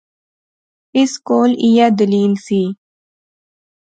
اس کول ایہہ دلیل سی